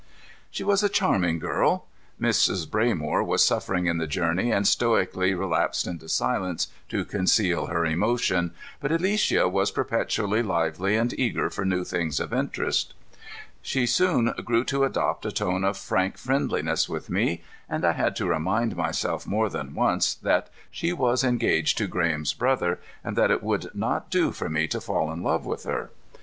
She was a charming girl. Mrs. Braymore was suffering in the journeying and stoically relapsed into silence to conceal her emotion, but Alicia was perpetually lively and eager for new things of interest. She soon grew to adopt a tone of frank friendliness with me, and I had to remind myself more than once that she was engaged to Graham's brother, and that it would not do for me to fall in love with her.